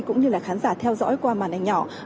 cũng như là khán giả theo dõi qua màn ảnh nhỏ